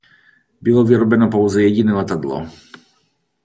Bylo vyrobeno pouze jediné letadlo.